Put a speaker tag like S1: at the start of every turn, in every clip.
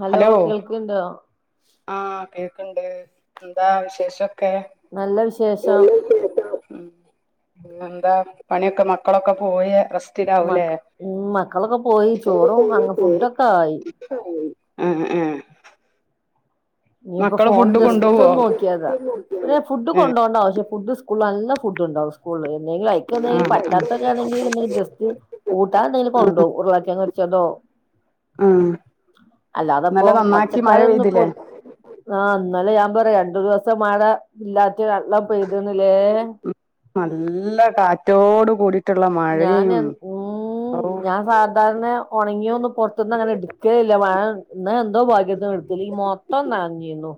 S1: Hello കേൾക്ണ്ടോ
S2: ആഹ് കേൾക്ണ്ട് എന്താ വിശേഷക്കെ
S1: നല്ല വിശേഷം
S2: പിന്നെ എന്താ പണിയൊക്കെ മക്കളൊക്കെ പോയ റെസ്
S1: മ ഉ മക്കളൊക്കെ പോയി ചോറും അ ഫുഡൊക്കെ ആയി
S2: ആഹ് ആഹ്
S1: ഇനീയിപ്പൊ
S2: മക്കള്
S1: ഫോൺ
S2: ഫുഡ്
S1: ജസ്റ്റ്
S2: കൊണ്ടോവോ
S1: ഒന്ന് നോക്കിയാതാ പിന്നെ ഫുഡ്
S2: ഏഹ്
S1: കൊണ്ട്പോണ്ട ആവശ്യം ഫുഡ് സ്കൂൾ നല്ല ഫുഡ്ണ്ടാവും സ്കൂള് എന്തെലും ആയി എന്തെങ്കിലും
S2: ആഹ് ആഹ്
S1: പറ്റാത്തൊക്കെ ആണെങ്കിൽ എന്തെങ്കും ജസ്റ്റ് കൂട്ടാൻ എന്തെങ്കിലും കൊണ്ടോ ഉരുളകിഴങ്ങ് പൊരിച്ചതോ
S2: ആഹ്
S1: അല്ലാതെപ്പോ
S2: ഇന്നലെ നന്നാക്കി മഴ
S1: പച്ചക്കറിയൊന്നും ഇപ്പോ
S2: പെയ്തില്ലേ
S1: ആഹ് അന്നലെ ഞാൻ പറയാ രണ്ടു ദിവസം മഴ ഇല്ലാത്ത വെള്ളം പെയ്തണില്ലേ
S2: നല്ല കാറ്റോട് കൂടി
S1: ഞാൻ എ ഉം
S2: ഔ
S1: ഞാൻ സാധാരണ ഉണങ്ങിയ ഒന്ന് പുറത്തുന്ന് അങ്ങനെ എടുക്കല്ല മഴ ഇന്ന് എന്തോ ഭാഗ്യത്തിനു എടുത്തി അല്ലെമൊത്തം നനഞ്ഞേന്നു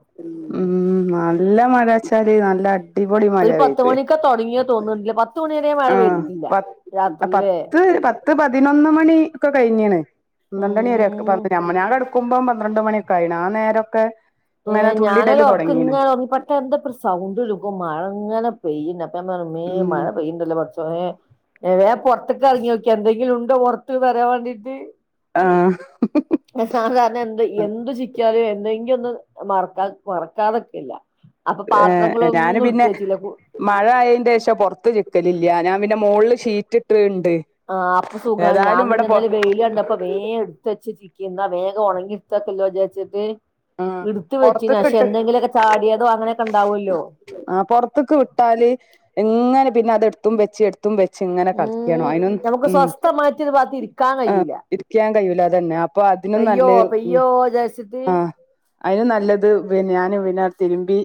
S2: ഉം നല്ല മഴച്ചാല് നല്ല അടിപൊളി മഴ
S1: ഒരു പത്ത്
S2: പെയ്ത്
S1: മണിക്കെ തുടങ്ങിയ തോന്നുന്നു പത്ത് മണി വരെ മഴ
S2: ആഹ്
S1: പെയ്തിട്ടില്ല
S2: പ
S1: രാത്രിയിലെ
S2: പത്ത് പത്ത് പതിനൊന്ന് മണി ഒക്കെ കഴിഞ്ഞീണ് പന്ത്രണ്ട് മണി
S1: ഉം
S2: വരെകെ മ്മ ഞാൻ കെടുക്കുമ്പം പന്ത്രണ്ട് മണിയൊക്കെ ആയി ആഹ് നേരൊക്കെ
S1: ഏ
S2: ഇങ്ങനെ
S1: ഞാനൊരു
S2: തുള്ളിടല്
S1: ഉറർക്ക
S2: തൊടങ്ങീണ്
S1: ഇങ്ങനെ ഉറങ്ങി അപ്പ എന്താ സൗണ്ട് ഇ മഴ അങ്ങെ പെയ്യുന്നപ്പ മേ
S2: ഉം
S1: മഴ പെയ്യണ്ടല്ല വേ പുറത്തൊക്കെ ഇറങ്ങി നോക്കി എന്തെങ്കിലും ഉണ്ടോ പുറത്ത് വാരാൻ വേണ്ടിട്ട്
S2: ആഹ്
S1: സാധാരണ എന്ത് എന്ത് ചിക്കാലോ എന്തെങ്കിലും ഒന്നും മറക്കാ മറക്കാതൊക്കെല്ല അപ്പൊ
S2: ഏഹ് ഞാന്
S1: പാത്രങ്ങളൊന്നും
S2: പിന്നെ
S1: ഇടുത്ത് വച്ചില
S2: മഴ ആയതിന്റെ ശേഷം പുറത്ത് ചിക്കലില്ല ഞാൻ പിന്നെ മുകളില് ഷീറ്റിട്ട്ണ്ട്
S1: ആഹ് അപ്പ സുഖമാണ് ഞാൻ പിന്നെന്താലും വെയില് കണ്ടപ്പം ഇപ്പൊ വേഗം എടുത്ത് വച്ച് ചിക്കി ന്നാ വേഗം ഉണങ്ങിടുത്തക്കല്ലോ വിചാരിച്ചിട്ട്
S2: ആഹ്
S1: എടുത്ത് വെച്ച് പക്ഷെ
S2: പൊറത്ത്ക്ക്ട്ട്
S1: എന്തെങ്കിലുമൊക്കെ ചാടിയതോ അങ്ങനെയൊക്കെ ഉണ്ടാവുമല്ലോ
S2: ആഹ് പുറത്തക്കെ ഇട്ടാല് എങ്ങനെ പിന്നെ അത എടുത്തും വെച്ച് എടുത്തും ത്തും വെച്ച് ഇങ്ങനെ കളിക്കണോ
S1: ഉം
S2: അതിനൊ
S1: നമുക്ക് സ്വസ്ഥമായിട്ട് ഒരു ഭാഗത്ത് ഇരിക്കാൻ
S2: ഉ
S1: കഴിയൂല
S2: ക്കാൻ കഴില അതന്നെ അപ്പൊ അതിനും
S1: പെയ്യോ
S2: നല്ല
S1: പെയ്യോ വിചാരിച്ചിട്ട്
S2: ആഹ് അതിന് നല്ലത് ഞാന് പിന്നെ തിര്മ്പി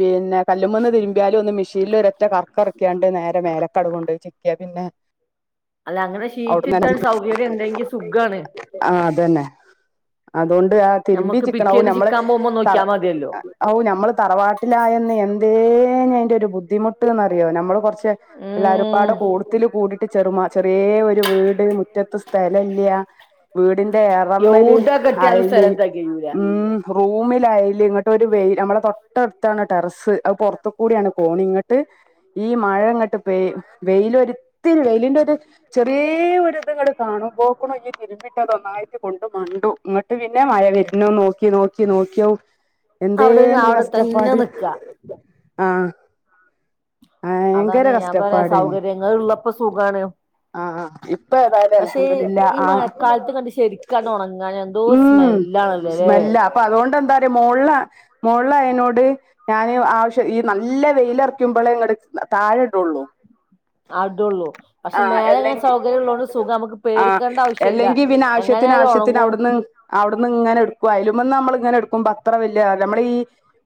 S2: പിന്നെ കല്ലുമന്ന് തിരുമ്പിയാലും ഒന്ന് മിഷീനിൽ ഒര ഒറ്റ കറ്ക്കറ്ക്കാണ്ട് നേരെ മേലക്കടവ കൊണ്ട് ചിക്കിയ പിന്നെ.
S1: അല്ല അങ്ങനെ
S2: അവിടന്ന്
S1: ഷീറ്റിട്ട സൗകര്യം ഉണ്ടങ്കിൽ സുഖാണ്.
S2: ആഹ് അത് തന്നെ അതുകൊണ്ട് ആ തിരുമ്പി
S1: ഞമ്മക്ക്
S2: ചിക്കണാവും
S1: പിറ്റേന്ന്
S2: നമ്മള്
S1: ചിക്കാൻ പോകുമ്പോ
S2: തറ
S1: നോക്കിയാ മതിയല്ലോ
S2: ഔ ഞമ്മള് തറവാട്ടിലായെന്ന് എന്തേ അതിന്റെ ഒരു ബുദ്ധിമുട്ട്ന്ന്റിയോ നമ്മൾ കുറച്ച് പക്ഷെ
S1: ഉം
S2: എല്ലാരുപാട് കൂടുത്തിൽ കൂടിട്ട് ചെറുമ ചെറിയ ഒരു വീട് മുറ്റത്ത് സ്ഥലം ഇല്ല. വീടിന്റെറെ എറമല്
S1: എവിടെ കെട്ടിയാലും
S2: അയല്
S1: [unintelligible]
S2: റൂമിലായല് ഇങ്ങോട്ട് ഒരു വെയിൽ നമ്മളെ തൊട്ടടുത്താണ് ടെറസ്സ് അത് പെറ് ത്ത കൂടിയാണ് കോണി ഇങ്ങോട്ട് ഈ മഴ ഇങ്ങോട്ട് പ വെയില ഒത്തിരി വെയിലിന്റെ ഒരു ചെറിയ ഒരിത് കാണും പോക്കണ തിരുമ്പിട്ടത് ഒന്നായിറ്റ് കൊണ്ട് മണ്ടു. ഇങ്ങോട്ട് പിന്നെ മഴ വരുന്ന നോക്കി നോക്കി നോക്കിയോ
S1: അവിടെ
S2: എന്തേനി
S1: അവിടെ തന്നെ
S2: കഷ്ടപ്പാട്
S1: നിക്കാ
S2: ആഹ് ഭയങ്കര
S1: അതാണ് ഞാൻ പറയാ
S2: കഷ്ടപ്പാടേനി
S1: സൗകര്യങ്ങ ഉള്ളപ്പോ സുഖമാണ്.
S2: ആഹ് ഇപ്പൊ ഏതായാലും അല്ഹംന്തുലില്ല
S1: ഈ
S2: ആഹ്
S1: മഴക്കാലത്ത് കണ്ട് ശരിക്കാണ്ട് ഉണങ്ങാൻ എന്തോ
S2: ഉം
S1: സ്മെല്ലാണല്ലോ ല്ലേ
S2: സ്മെല്ല അപ്പൊ അതുകൊണ്ട് എന്തറിയ മോളില മോള് ആയനോട് ഞാന് ആവശ്യം ഈ നല്ല വെയില എറക്കുമ്പോളെ താഴെ ഇടുള്ളൂ
S1: അടുള്ളൂ പക്ഷെ
S2: ആഹ്
S1: മേലെ
S2: അല്ല
S1: ഇങ്ങനെ സൗകര്യം ഉള്ളോണ്ട് സുഖം നമുക്ക്
S2: ആഹ്
S1: പേടിക്കേണ്ട ആവശ്യല്ല
S2: അല്ലെങ്കി പിന്നെ ആഹ് വശ്യത്തിന്
S1: എങ്ങനായാലും
S2: ആവശ്യത്തിന്
S1: ഉണങ്ങും
S2: അവിടുന്ന് അവിടുന്ന് ഇങ്ങനെ എടുക്കും അയലുമന്ന് നമ്മള ഇങ്ങനെ എടുക്കുമ്പോ അത്ര വല്യ നമ്മള ഈ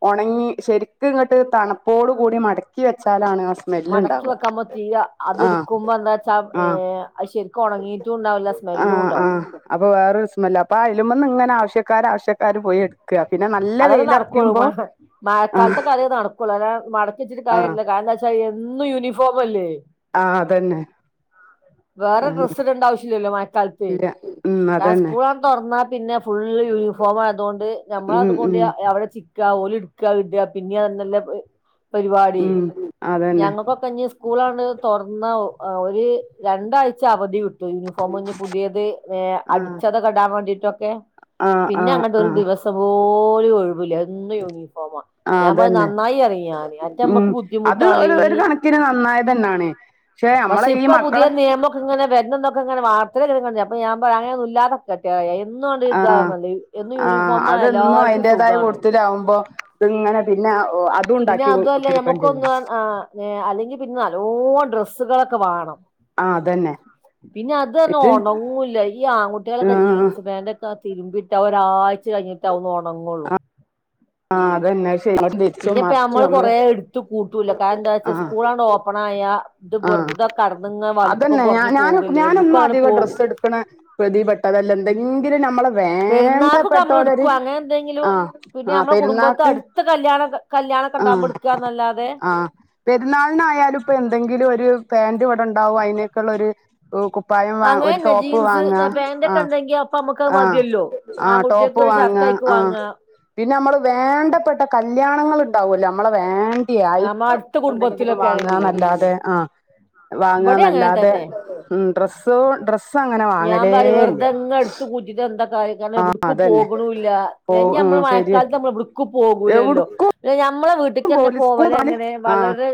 S2: ഉണങ്ങി ശരിക്കും ഇങ്ങോട്ട് തണുപ്പോടു കൂടി മടക്കി വെച്ചാലാണ് സ്മെല്ല്
S1: മടക്കി
S2: ഉണ്ടാവുക
S1: വക്കുമ്പം തീരെ അത്
S2: ആഹ്
S1: എടക്കുമ്പന്താ ച
S2: ആഹ്
S1: ഏ അത് ശരിക്കും ഉണങ്ങീട്ടും ഉണ്ടാവില്ല സ്മെല്ലും ഉണ്ടാവും.
S2: അപ്പ വേറെരു സ്മല്ല അയലുമന്ന് ഇങ്ങനെ ആവശ്വക്കർ ആശ്യ
S1: അതെല്ലാ നടക്കുള്ളൂ
S2: ആഹ്
S1: മഴക്കാലത്തൊക്കെ അതെ നടക്കുള്ളൂ അല്ല മട
S2: ആഹ്
S1: ച്ചിട്കാര്യല്ല കാരണം എന്നും യൂണിഫോം അല്ലേ
S2: ആ അതന്നെ
S1: വേറെ
S2: ആഹ്
S1: ഡ്രസ്സ് ഇടണ്ട ആവശ്യല്ലല്ലോ മഴക്കാലത്ത്
S2: ഇല്ല ഉം
S1: ഞാൻ
S2: അതന്നെ
S1: സ്കൂൾ തുറന്നാ പിന്നെ ഫുള്ള് യൂണിഫോം ആയതുകൊണ്ട് നമ്മള
S2: ഉം
S1: അതുകൊണ്ട്
S2: ഉം
S1: അവിടെ ച്ചി ചിക്ക ഓല് ഇടുക്ക ഇട പിന്നെഅത്‌ ന്നാല്ല പരിപാടി
S2: ഉം അതന്നെ
S1: ഞങ്ങൾക്കൊ കഞ്ഞ സ്കൂളാണ് തുറന്ന ഒരു രണ്ടാഴ്ച്ച അവധി കിട്ടും. യൂണിഫോംഞ് പുതിയത് ഏ
S2: ആഹ്
S1: അടിച്ചത് ഇടാൻ വേണ്ടിട്ടൊക്കെ
S2: ആഹ്
S1: പിന്നെ
S2: ആഹ്
S1: അങ്ങ അ ഒരു
S2: ആഹ്
S1: ദിവസം പോലും ഒഴിവില്ല എന്നും യൂണി ഫോമ
S2: ആഹ്
S1: ഞാൻ പറയും
S2: അതന്നെ
S1: നന്നായി അറിയാന്
S2: ഉം
S1: മറ്റമ്മക്ക്
S2: അത്
S1: ബുദ്ധിമുട്ടാണ്.
S2: ഒരു ഒരു കണകിന് നന്നായത് തന്നെയാണ്. പക്ഷെ നമ്മളെ ഈ
S1: പുതിയ
S2: മക്കളെ
S1: നിയമൊക്കെങ്ങെ വരണം എന്നൊക്കെ ഇങ്ങെ വാർത്ത കണ്ടീനി. ഞാൻ പറയും അങ്ങൊന്ന ഇല്ലാെതെ ട്ടായ എന്നുണ്ട്
S2: ആഹ്
S1: ഇതാന്നല്ല എന്നും യൂണിഫോം ആയാൽ എല്ലാർക്കും സുഖാണ്.
S2: ലാ വുമ്പോ ഇങ്ങനെ പിന്നെ അ
S1: പിന്നെ അതുല്ല ഞമ്മക്കൊന്ന് അല്ലെങ്കിൽ പിന്നെ നല്ലോ ഡ്രെസ്സുകളൊക്കെ വേണം.
S2: ആഹ് അതന്നെ
S1: പിന്നെ അത് തന്നെ
S2: ഇത്
S1: ഒണങ്ങൂല്ല ഈ ആൺകുട്ടികളൊക്കെ
S2: ആഹ്
S1: ജീൻസ് പാന്റ് ക്കെ തിരുമ്പിട്ട ഒരാഴ് കഴിഞ്ഞിട്ടാ അവ് ഉണങ്ങുള്ളൂ
S2: ആഹ് അതന്നെ അഹ് ശരി തിരിച്ചും
S1: പിന്നെപ്പ
S2: മറിച്ചും
S1: നമ്മള് കൊറെേ എടുത്തു കൂട്ടൂല്ല കാരണം എന്താ വച്ചാ
S2: ആഹ്
S1: സ്കൂളണ്ട് ഓപ്പൺ ആയ ഇത്
S2: ആഹ്
S1: വെറുതെ കടന്നങ് വലിപ്പം
S2: അതന്നെ
S1: കുറഞ് പോകല്ലേ എവിടക്കും അങ്ങനെ പോകു
S2: ക്ക്ണ പ്രതിപ്പെട്ടതല്ല എന്തെങ്കിലും നമ്മള്
S1: പെരുന്നാൾകൊക്കെ നമ്മൾ എടുക്കും അങ്ങനെ എന്തെങ്കിലും
S2: ആഹ്
S1: പിന്നെ
S2: ആഹ്
S1: നമ്മുടെ കുടുംബത്ത്
S2: പെരുന്നാക്ക്
S1: അടുത്ത കല്യാ കല്യാണകെണ്ടാക്പോ
S2: ആഹ്
S1: ഇട്ക്ക ന്നല്ലാതെ
S2: ആഹ് പെരുന്നാളിനായാലും ഇപ്പൊ എന്തെങ്കിലും ഒരു പാന്റ് ഇവിടെ ഉണ്ടാവും അയ്നേക്ള്ളൊര് കുപ്പായം വാ ഒരു
S1: അങ്ങനെന്നെ
S2: ടോപ്പ്
S1: ജീൻസ്
S2: വാങ്ങാ
S1: പാന്റ്
S2: ആഹ
S1: ഒക്കെ ഉണ്ടെങ്കി അപ്പൊ നമ്മുക്ക് അത്
S2: ആഹ
S1: മതിയല്ലോ
S2: ആഹ ടോപ്പ്
S1: ആൺകുട്ടികൾക്ക് ഒരു
S2: വാങ്ങ
S1: ഷർട്ട് ആയിക്ക്
S2: ആഹ
S1: വാങ്ങാ
S2: പിന്നെ നമ്മള് വേണ്ടപ്പെട്ട കല്യാണങ്ങൾ ഉണ്ടാവുല്ലോ നമ്മള വേണ്ട [unintelligible]
S1: നമ്മ
S2: അയ്ക്ക്
S1: അടുത്ത
S2: എന്തെങ്കിലും
S1: കുടുംബത്തിലൊക്കെ
S2: വാങ്ങാ
S1: ആണെങ്കില്
S2: നല്ലാതെ ആഹ
S1: ഇവിടെ അങ്ങനെ
S2: വാങ്ങന്നല്ലാതെ
S1: തന്നെ
S2: ഉം ഡ്രസ്സോ ഡ്രസ്
S1: ഞാൻ പറിം വെർധങ്ങ് എടുത്ത് കൂട്ടിട്ട് എന്താ കാര്യം
S2: ആഹ്
S1: എവിടക്
S2: അതന്നെ
S1: പോകുണില്ല
S2: പോ
S1: ഞ്
S2: ഉം
S1: ഞമ്മൾ
S2: ശരിയ
S1: മഴക്കാലത്ത് നമ്മൾ എവിടക്ക് പോകൂലല്ലോ
S2: എവിടുക്കും
S1: ഞമ്മളെ വീട്ട്ക് കന്നേ
S2: പോവൂല സ്കൂൾ
S1: പോവലെങ്ങനെ
S2: ആഹ്
S1: വളരെ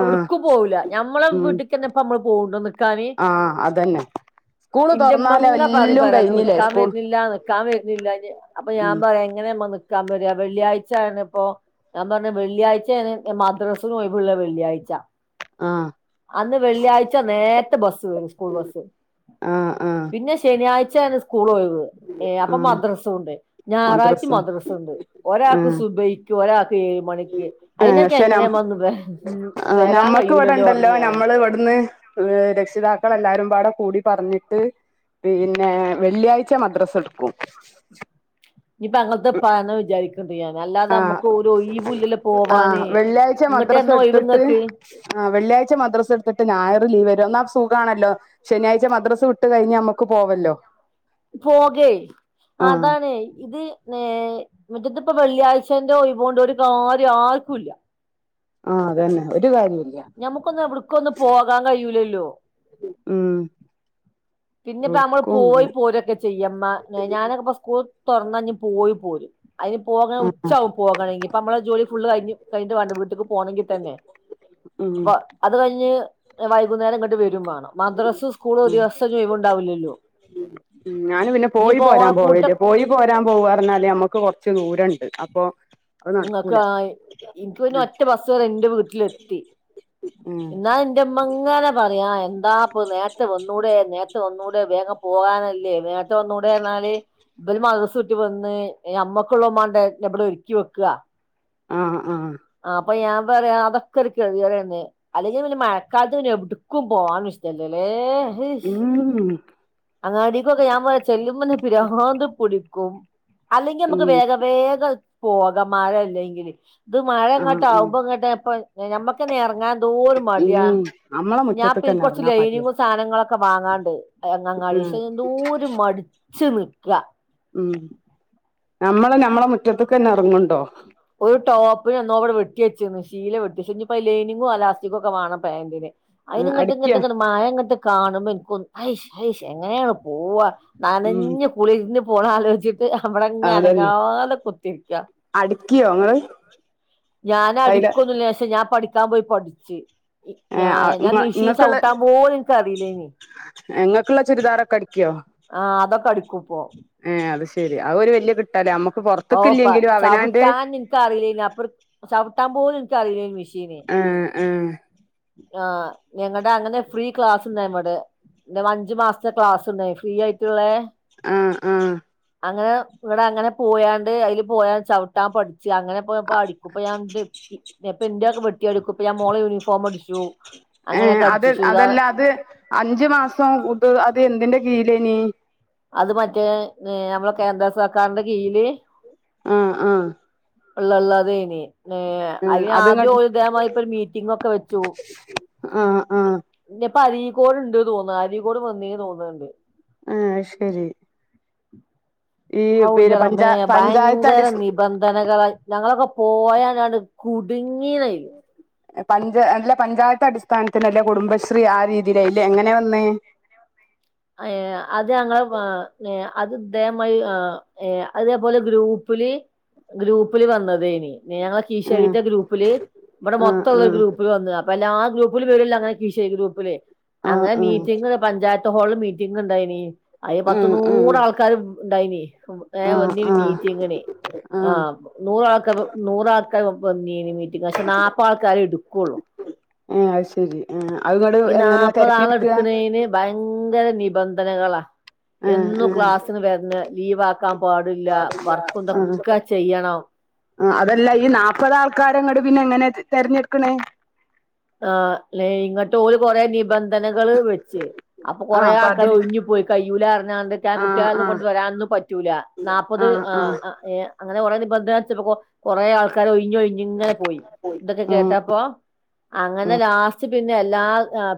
S2: ആഹ്
S1: എവിടക്കും പോവുംല്ല ഞമ്മളെ
S2: ഉം
S1: വീട്ക് ന്ന്യ പ്പം നമ്മള് പോക്ണ്ടോ നിക്കാന്
S2: ആഹ് അതന്നെ സ്കൂള് തുറന്നാല്
S1: ന്റെമ്മങ്ങ പറിം
S2: എല്ലും
S1: പരാതി
S2: കഴിഞ്ഞില്ലേ
S1: നിക്കാൻ
S2: സ്കൂൾ
S1: വര് ന്നില്ല നിക്കാൻ വര്ന്നില്ല അപ്പൊ ഞാൻ
S2: ഉം
S1: പറയാ എങ്ങനെയമ്മ നിക്കാൻ വര വെള്ളിയാഴ്ചാണ് ഇപ്പൊ ഞാൻ പറഞ്ഞ വെള്ളിയാഴ്ചാണ് മദ്രാസിന് ഒയിവ്ള്ള വെള്ളിയാഴ്ച
S2: ആഹ്
S1: അന്ന് വെള്ളിയാഴ്ച നേത്തെ ബസ്സ് വരും സ്കൂൾ ബസ്സ്
S2: ആഹ് ആഹ്
S1: പിന്നെ ശനിയാഴ്ചയാണ് സ്കൂൾ ഒഴിവ് ഏ അപ്പൊ
S2: ആഹ്
S1: മദ്രസുണ്ട്
S2: മദ്രസ
S1: ഞായറാഴ്ച്ചിം മദ്രസുണ്ട് ഒരാൾക്ക്
S2: ആഹ്
S1: സുബൈ ക്ക് ഒരാൾക്ക് ഏയ് മണിക്ക്
S2: ഏഹ്
S1: അതിനൊക്കെ
S2: പക്ഷെ നം
S1: എങ്ങനെമ്മ
S2: ആഹ്
S1: വരാൻ കഴൂലല്ലോ പറഞ്ഞു ഞാന്
S2: ഏ രക്ഷിതാക്കൾ എല്ലാരുംപാടെ കൂടി പറഞ്ഞിട്ട് പിന്നെ വെള്ളിയാഴ്ച മദ്രസടുക്കും
S1: ഇനിപ്പ അങ്ങൾ തപ്പ ന്ന് വിചാരി- എന്തെയ്യാന അല്ലാതെ
S2: ആഹ്
S1: നമുക്ക് ഒരു ഒഴിവു ല്ലല്ലോ
S2: ആഹ്
S1: പോവാന്
S2: വെള്ളിയാഴ്ച
S1: ഇങ്ങട്ട്
S2: മദ്രസ
S1: എന്ന ഒഴിവ്
S2: എടുത്തിട്ട്
S1: ഇങ്ങക്ക്
S2: ആഹ് വെള്ളാഴ്ച മദ്രസ് എടുത്തിട്ട് ഞായർ ലീവരോ എന്നാൽ സുഖാണല്ലോ ശനിയാഴ്ച മദ്രസ് വിട്ട് കഴിഞ്ഞ നമ്മക് പോവല്ലോ
S1: പോകേയ്
S2: ആഹ്
S1: അതാണ് ഇത് ഏയ്‌ മറ്റത്പ്പ വെള്ളിയാഴ്ചന്റെ ഒഴിവോണ്ട് ഒരു കാര്യം ആർക്കുംല്ല
S2: ആഹ് അതെന്നെ ഒരു കാര്യുല്ല
S1: ഞമുക്കൊന്ന് എവിട് ക്കൊന്ന് പോകാൻ കയൂലല്ലോ
S2: ഉം
S1: പിന്നെപ്പോ നമ്മള്
S2: എവ്ട്ക്കുല്ല
S1: പോയി പോരൊക്കെ ചെയ്യമ്മ ഞാനൊക്കെ ഇപ്പ സ്കൂൾ തുറന്ന പോയി പോരും അതിന് പോകണ
S2: ആഹ്
S1: ഉച്ചാവും പോകണെങ്കിൽ ഇപ്പ നമ്മടെ ജോലി ഫുള്ള് കഴിഞ്ഞിട്ട് വേണ്ടേ വീട്ടേക്ക് പോകണെങ്കിൽ തന്നെ
S2: ഉം
S1: അ അത് കഴിഞ്ഞ് വൈകുന്നേരം ഇങ്ങോട്ട് വരുംമാണം മദ്രസ് സ്കൂള് ഒരു
S2: ഉം
S1: ദിവസ ഓരോഴിവ് ഉണ്ടാവു ല്ലല്ലോ [unintelligible]
S2: ഉം ഞാൻ പിന്നെ പോയി പോരാൻ
S1: ഓണപ്പൂട്ട
S2: പോവല്ലേ പോയി പോരാൻ പോവ പറഞ്ഞാല് നമ്മക്ക് കുറച്ച് ദൂരണ്ട് അപ്പൊ അത് നടക്കൂല
S1: ങ്ങക്ക്യ് എനിക്ക്ന്നെ ഒറ്റ ബസ് കേറിയാൽ ന്റെ വീട്ടിലെത്തി
S2: ഉം
S1: ഇന്നാന്റെ ഇമ്മങ്ങനെ പറയും എന്താപ്പത് നേരത്തെ വന്നൂടെ നേര- ത്തെ വന്നൂടെ വേഗം പോകാനല്ലേ നേരത്തെ വന്നൂടെർഞ്ഞല് ബല് മദ്രസ് വി - വന്ന് ഞമ്മക്ക് ഉള്ളത് മാണ്ട ഇവിടെ ഒരുക്കി വെക്ക
S2: ആഹ് ആഹ്
S1: ആ അപ്പൊ ഞാൻ പറയാ അതൊക്കൊര് കഴുകലെന്നെ അല്ലെങ്കി പിന്നെ മഴക്കാലത്ത് പിന്നെവ്ട്ക്കും പോവാനുഷ്ടല്ലല്ലേ
S2: ഊ ഉം
S1: അങ്ങാടിക്കൊക്കെ ഞാൻ പോയാ ചെല്ലുമ്പ ന്നെ പ്‌രാന്ത് പിടിക്കും അല്ലെങ്കി ഞമ്മക്ക്
S2: ഉം
S1: വേഗം വേഗ പോക മഴല്ലെങ്കില്. ത്
S2: ആഹ് ആഹ്
S1: മഴങ്ങോട്ടാവുമ്പോ ങ്ങട്ട് എപ്പൊ എ ഞമ്മക്കെന്നെ എറങ്ങാൻ ന്തോരുമടിയാ
S2: ഉം നമ്മളെ
S1: ഞാപ്പേ ന്നി
S2: മുറ്റത്ത്ക്കെന്നെ
S1: കൊർച്ച്
S2: എർങ്ങാൻ മടിയാ
S1: [unintelligible] സാനങ്ങളൊക്കെ വാങ്ങാണ്ട് എ ങ്ങങ്ങാടിന്ന്
S2: ഉം
S1: ശെ എന്തോരു മടിച്ച് നിക്ക
S2: ഉം ഞമ്മള് ഞമ്മളെ മുറ്റത്തെ ക്കെന്നെർങ്ങ്ണ്ടോ
S1: ഒരു ടോപ്പ്നെന്നോ വിടെ വെട്ട്യച്ചിന്ന് ശീല വെട്ടിച്ച് ഞ്ഞിപ്പോ ലൈനിങ്ങും അലാസ്റ്റിക്കും ഒക്കെ വാണം പാന്റിന് അയിന്
S2: ആഹ്
S1: ങ്ങട്ട് ങ്ങട്ട്
S2: അടിക്ക്യോ
S1: ങ്ങട്ട് മഴ ങ്ങട്ട് കാണുമ്പൻക്കൊ ഹൈഷ് ഹൈഷ് എങ്ങനെയാണ് പോവാ
S2: ഉം
S1: നനഞ്ഞു കുളിര്ന്ന് പോണാ ലോച്ചിട്ട് വടെങ്ങനെ
S2: അതന്നെ
S1: അനങ്ങാതെ കുത്തിരിക്കാ
S2: അടിക്ക്യോ ങ്ങള്?
S1: ഞാനടിക്കൊന്നില്ല പക്ഷേ ഞാൻ പഠിക്കാൻ പോയി പഠിച്ച് ഇ ഞാ
S2: ഏഹ്
S1: ഞാൻ
S2: ഇങ്ങ
S1: മെഷീൻ
S2: ഇങ്ങക്ക്ള്ള
S1: ചൗട്ടാൻ പോലും എൻക്കറിയില്ലേനി [inaudible]
S2: ഇങ്ങക്ക്ള്ള ചുരിദാറൊക്കെ അടിക്ക്യോ
S1: ആഹ് അതൊക്ക ടിക്കു പ്പോ
S2: ഏഹ് അത് ശെരി അഒരു വല്യ കിട്ടല നമ്മുക്ക് പൊറത്തക്ക ല്ലെങ്കിലും അവനാന്റെ
S1: ക്കറിയില്ലയ്നി അപ്‌ർ ചവിട്ടാ പോലും എനിക്കറിയൂലായ്നു മിഷീന്
S2: ഏഹ് ഏഹ്
S1: ആഹ് ഞങ്ങടെ അങ്ങനെ ഫ്രീ ക്ലാസ് ണ്ടായ്ന് വടെ ദെ വഞ്ചുമാസ്ത്തെ ക്ലാസ് ണ്ടായിൻ ഫ്രീ ആയിട്ട്ള്ളെ
S2: ആഹ് ആഹ്
S1: അങ്ങനെ വിടങ്ങനെ പോയാണ്ട് അയില് പോയാ ചവ് ട്ടാൻ പഠിച്ചു അങ്ങനെ പ്പ പഠിക്കും മ്പ ഞാൻ ന്റ പ്പന്റൊക്ക വെട്ടി അടിക്കും [unintelligible] പ്പൊ ഞാൻ മോളെ യൂണിഫോമ ടിച്ചു
S2: ഏഹ്
S1: അങ്ങനെയൊക്കെ
S2: അത്
S1: അടിച്ചു ചുരിദാറ്
S2: അതല്ല അത് അഞ്ചു മാസം ഉഡ് അതെന്തിന്റെ കീഴിലേനി?
S1: അത് മറ്റേ നെ നമ്മള കേന്ദ്ര സർക്കാരിന്റെ കീഴില്
S2: ആഹ് ആഹ്
S1: ള്ളള്ള തേനി നേ
S2: ഏഹ് അത്ങ്ങട്ട്
S1: അയിനാദ്യോല് ദേ മാതിരി പ്പൊരു മീറ്റിംഗൊക്ക വെച്ചു
S2: അ ആആഹ്
S1: പിന്നപ്പരീക്കോട് ണ്ട് തോന്ന് അരീക്കോട് വന്നിനു തോന്ന്ണ്ട്.
S2: ഏഹ് അയ് ശരി
S1: ഹൗ ന്റ
S2: പിന്നെ
S1: റബ്ബേ
S2: പഞ്ചാ പഞ്ചായത്ത്
S1: ഭയങ്കര
S2: അടിസ്
S1: നിബന്ധനകളാൽ ഞങ്ങളൊക്കെ പോയാലാട് കുടുങ്ങ്യായ്
S2: എ പഞ്ച അല്ല പഞ്ചായത്ത ടിസ്ഥാനത്തിലല്ലേ കുടുംബശ്രീ ആ രീതിയിലയ്ല്ലേ എങ്ങനെ വന്നേ?
S1: അയ് അത് ഞങ്ങളെ വ ഏ അത് ദേ മായി ആ ഏഹ് അഅ്തേപോലെ ഗ്രൂപ്പില് ഗ്രൂപ്പില് വന്നതെയ്നി [unintelligible]
S2: ആഹ്
S1: കീശഴിത്തെ ഗ്രൂപ്പില് ബടെ
S2: ആഹ്
S1: മൊത്തള്ള ഗ്രൂ പിൽ വന്ന് അപെല്ലാ ഗ്രൂപ്പിലും വരുഅല്ലൊ അങ്ങനെ കിഴിശേരി ഗ്രൂപ്പില്
S2: ആഹ്
S1: അങ്ങനെ
S2: ആഹ്
S1: മീറ്റിംങ്ങില് പഞ്ചായത്ത് ഹോള് മീറ്റിംഗ് ണ്ടായിനി അയിന് പത്ത്
S2: ആഹ് ആഹ്
S1: നൂറാൾക്കാർ ണ്ടായിനി ഹും ഏ
S2: ആഹ്
S1: വന്നീനി
S2: ആഹ്
S1: മീറ്റിങ്ങിന് ആഹ് നൂറാൾക്ക നൂറാൾക്കാര് വന്നീനി മീറ്റിംഗിന് പക്ഷെ നാപ്പാൾക്കാരെ എടുക്കുള്ളൂ
S2: ഏഹ് അഅ് ശരി ആ അഅ് ങ്ങട്
S1: ഈ
S2: എങ്ങനാ
S1: നാപ്പത് ആളെ
S2: തെരഞ്ഞെട്ക്കാ?
S1: എടുക്കണേന് ഭയങ്കര നിബന്ധനകളാ
S2: ഏഹ്
S1: എന്നും
S2: ഏഹ്
S1: ക്ലാസ്സിന് വര്ന ലീവ് ആക്കാൻ പാടില്ല വർക്കും
S2: ആഹ്
S1: തൊക്കെ ചെയ്യണം
S2: ആഹ് അതല്ല ഈ നാല്പ്പത് ആൾക്കാരെ ങ്ങട് പിന്നെ എങ്ങനെ തെരഞ്ഞെടുക്കണേ
S1: ആഹ് അല്ലെ ഇങ്ങട്ട് പോല് കൊറെ നിബന്ധനകൾ വെച്ച് അപ്പൊ
S2: ആഹ്
S1: കൊറേ ആക്കൾ
S2: അതിന്
S1: ഒഴിഞ്ഞി പോയി കയ്യൂല അറിഞ്ഞാണ്ട് ൻ
S2: ആഹ്
S1: കുട്ടിളെന്നും
S2: ആഹ്
S1: കൊണ്ട് വരാനൊന്നും പറ്റൂല നാപ്പത് ആഹ് അഹ് ഏഹ് അങ്ങെനെ കൊറേ നിബന്ധനച്ചപ്പോ കൊറേ ആൾക്കാര് ഒഴിഞ്ഞഴിഞ് ഇങ്ങനെ പോയി ഇതൊക്കെ
S2: ആഹ്
S1: കേട്ടപ്പോ അങ്ങനെ
S2: ആഹ്
S1: ലാസ്റ്റ് പിന്നെ എല്ലാ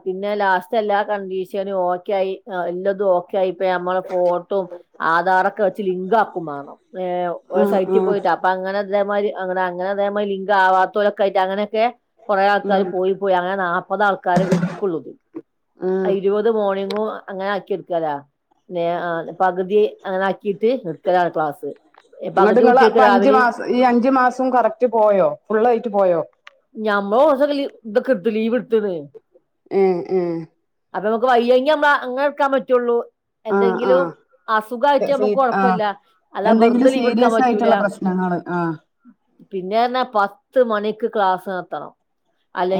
S1: പിന്നെ ലാസ്റ്റ് എല്ലാ കണ്ടീഷനും ഓക്കെയി എല്ലതും ഓ കായി ഇപ്പ നമ്മളെ ഫോട്ടും ആധാറൊക്കെ വെച്ച് ലിങ്ക് ആക്കും വേണം ഏഹ് ഒരെ
S2: ആഹ്
S1: സൈറ്റി
S2: ആഹ്
S1: പോയിട്ട് ആ പ്പങ്ങനെ തേമാരി അങ്ങന അങ്ങനെ അതേമാതിരി ലിംഗ ആവാത്തോലൊക്കായിട്ട് അങ്ങനെക്കെ കുറേ ആ
S2: ഉം
S1: ക്കഹ് പോയി പോയി അങ്ങനെ നാപ്പത് ആൾക്കാര എടുക്കുള്ളു
S2: ആഹ്
S1: അഹ് ഇരുവ ത് മോർണിങ്ങും അങ്ങനെ ആക്കിടുക്കലാ നേആ പകുതി അങ്ങനാക്കിയിട്ട് ഇട്ക്കലാണ് ക്ലാസ്സ്
S2: ഇങ്ങട്ട് ങ്ങള് അപ്പൊ അഞ്ചു മാസം ഈ അഞ്ചു മാസം കറക്റ്റ് പോയോ ഫുള്ളയിട്ട് പോയോ
S1: ഞമ്മോ [unintelligible] ഇതൊക്കെ എടുത്ത് ലീവ് എടുത്ണ്
S2: ഏഹ് ഏഹ്
S1: അപ്പൊ നമുക്ക് വയ്യങ്കി അങ്ങനെ എക്കാൻ പറ്റുള്ളൂ
S2: ആഹ്
S1: എന്തെങ്കിലും
S2: ആഹ്
S1: അസുഖ ആയ്ട്ടാ
S2: സീ
S1: നമുക്ക്
S2: ആഹ്
S1: കൊഴപ്പല്ല അല്ലാ വെറുത ലീവെടുക്കാൻ പറ്റൂല
S2: ഞങ്ങള് ആഹ്
S1: പിന്നെർഞ പത്ത് മണിക്ക് ക്ലാസ്സ് എത്തണം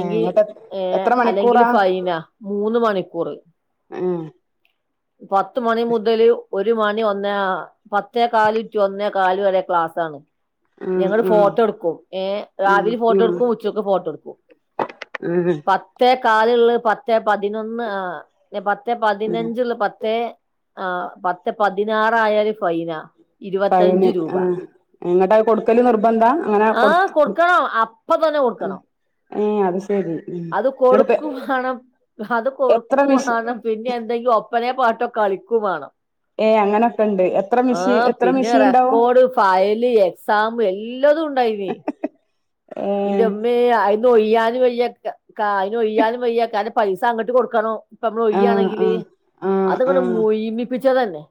S2: ഏഹ് ഇങ്ങട്ട്
S1: ഏർ
S2: എത്ര
S1: അല്ലെങ്കിൽ
S2: മണിക്കൂറാ
S1: ഫൈന മൂന്ന് മണിക്കൂറ്
S2: ഏഹ്
S1: പത്ത് മണി മുതല് ഒരു മണി ഒന്നാ പത്തേ കാല് ടു ഒന്നേ കാലു വരെ ക്ലാസാണ്
S2: ആഹ്
S1: ഞങ്ങള്
S2: ആഹ്
S1: ഫോട്ടോ എടുക്കും ഏഹ്
S2: ആഹ്
S1: രാവിലെ ഫോ
S2: ആഹ്
S1: ട്ടോടുക്കും ഉച്ചക്ക ഫോട്ടടുക്കും
S2: ആഹ്
S1: പ പത്തേ കാലിള്ളെ പത്തെ പതിനൊന്ന് ആഹ് പത്തെ
S2: ആഹ്
S1: പതിനഞ്ചിള്ളെ പത്തെ ആഹ് പത്ത് പതിനാറായാല് ഫൈനാ
S2: ഫൈന്
S1: ഇരുപത്തഞ്ചു രൂപ
S2: ആഹ് ഇങ്ങട്ട് അത് കൊടുക്കല് നിർബന്ധ അങ്ങനെ കൊടു
S1: ആഹ് കൊടുക്കണം അ പ്പതന്നെ കൊടുക്കണം
S2: ഏഹ് അത് ശരി ഉം
S1: അത്
S2: ഇങ്ങട്ട്പ്പ
S1: കൊടുക്കും വാണം അത്
S2: എത്ര
S1: കൊടുക്കു
S2: മിഷ്
S1: വാണം പിന്നെ എന്തെങ്കു പന പാട്ടൊക്കെ കളിക്കു വേണം
S2: ഏഹ് അങ്ങനെയൊക്കെ ഉണ്ട് എത്ര
S1: ആ
S2: മെഷീ എത്ര
S1: പിന്നെ
S2: മെഷീൻണ്ടാവും
S1: റെക്കോർഡ് ഫയല് എക്സാം എല്ലതും ഉണ്ടായിനി
S2: ഏഹ്
S1: ന്റെമ്മേ അയിനൊയ്യാനും വയ്യ കാ അയിനൊയ്യാനും വയ്യ കര്ന പൈസ അങ്ങട്ട് കൊടുക്കണോ ഇപ്പ നമ്മള്
S2: ആഹ്
S1: ഒയ്യാണെങ്കില്
S2: ആഹ് ആഹ്
S1: അതങ്ങ മുയ്മിപ്പിച്ചതന്നെ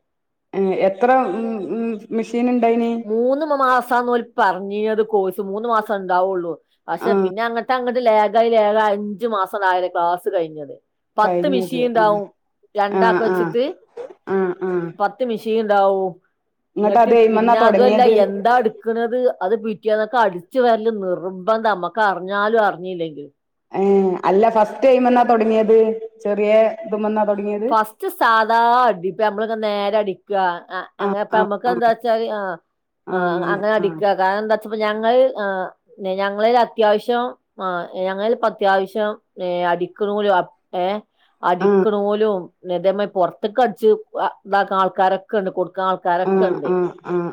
S2: എഹ് എത്ര ഉം ഉം മെഷീൻ ഇണ്ട
S1: മൂന്ന് മാസ ആന്ന് ഓര് പറഞ്ഞിയത് കോഴ്സ് മൂന്നു മാസം ഉണ്ടാവുള്ളു പക്ഷെ
S2: ആഹ്
S1: പിന്നെ അങ്ങട്ട് അങ്ങട്ട് ലേഖയി ലേഖയി അഞ്ചു മാസംട് ആയേരെ ക്ലാസ്സ് കഴിഞ്ഞത് പത്ത്
S2: കഴിഞ്ഞത്
S1: മിഷീൻ
S2: ആഹ്
S1: ഉണ്ടാവും
S2: ആഹ്
S1: രണ്ടാക്കു
S2: ആഹ്
S1: വെച്ചിട്ട്
S2: ആഹ് ആഹ്
S1: പ ത്ത് മിഷീൻ ഉണ്ടാവു ഇങ്ങട്ട്
S2: അത് എയ്മന്നാ
S1: പിന്നെ അതു അല്ല
S2: തൊടങ്ങിയത്
S1: എന്താടു ക്ണത് അത് പിറ്റേന്നക്കു അടിച്ചു വരല് നിർബന്ധ നമ്മുക്ക് അറിഞ്ഞാലും അറിഞ്ഞില്ലെങ്കിലു
S2: ഏഹ് അല്ല ഫസ്റ്റ് ടൈം എന്നാ തുടങ്ങിയത് ചെറ്യേ ഇതുമ്മ
S1: ഫസ്റ്റ് സാധാ അടി ഇപ്പ നമ്മള നേര അടി ക്കാ
S2: ആഹ്
S1: അങ്ങൻപ്പ
S2: ആഹ്
S1: നമുക്ക്
S2: ആഹ്
S1: എന്താച്ചാല് ആഹ് ആഹ് അങ്ങനെ അടിക്കാ കാരണംന്താ ച്ചപ്പ ഞാന് ന്നയ് ആഹ് ഞങ്ങളേലത്യാവിശ്യം ആ ഞങ്ങളേല് പ്പത്യാവിശ്യം ഏഹ് അടിക്ക്ണോലു ഏഹ്
S2: ആഹ്
S1: അടിക്ക്നോലും തേമ്മ പൊർത്ത്ക്കട്ച്ച് താക്ക്ണാൾക്കാരൊ ക്കെണ്ട്
S2: ആഹ്
S1: കൊട്ക്ക്ണാൾക്കാരൊക്കെണ്ട്
S2: ആഹ് ആഹ് ഉം